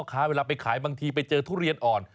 ค้าเวลาไปขายบางทีไปเจอทุเรียนอ่อน